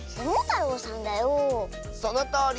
そのとおり！